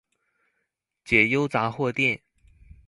解憂雜貨店